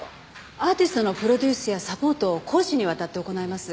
アーティストのプロデュースやサポートを公私にわたって行います。